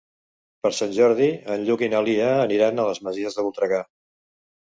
Per Sant Jordi en Lluc i na Lia aniran a les Masies de Voltregà.